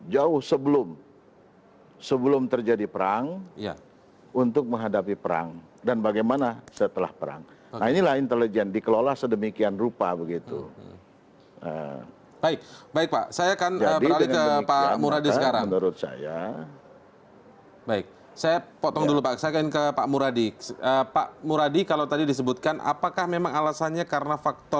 yang bisa diperlukan